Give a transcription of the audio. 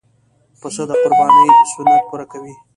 پسه د قربانۍ سنت پوره کوي.